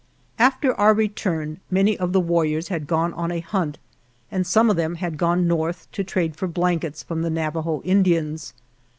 After our return many of the warriors 63 GERONIMO had gone on a hunt and some of them had gone north to trade for blankets from the Navajo Indians.